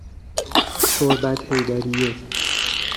تربت حیدریه